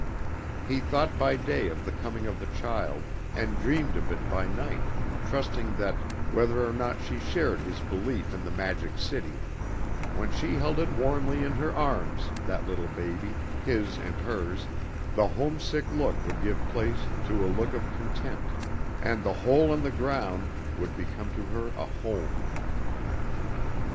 He thought by day of the coming of the child, and dreamed of it by night, trusting that, whether or not she shared his belief in the Magic City, when she held it warmly in her arms, that little baby, his and hers, the homesick look would give place to a look of content, and the hole in the ground would become to her a home.